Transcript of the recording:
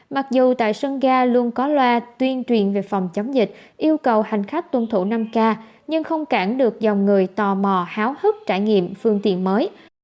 mặc dù tại sân ga luôn có loa tuyên truyền về phòng chống dịch yêu cầu hành khách tuân thủ năm k nhưng không cản được dòng người tò mò háo hức trải nghiệm phương tiện mới